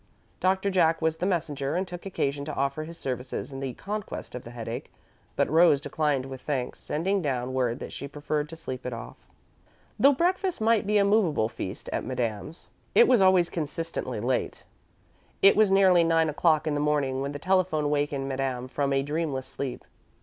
Doctor Jack was the messenger and took occasion to offer his services in the conquest of the headache, but Rose declined with thanks, sending down word that she preferred to sleep it off. Though breakfast might be a movable feast at Madame's, it was always consistently late. It was nearly nine o'clock in the morning when the telephone wakened Madame from a dreamless sleep.